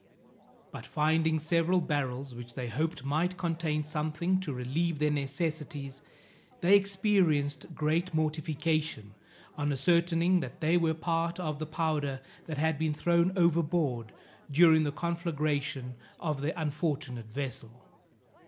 But finding several barrels, which they hoped might contain something to relieve their necessities, they experienced great mortification, on ascertaining that they were part of the powder that had been thrown overboard during the conflagration of their unfortunate vessel.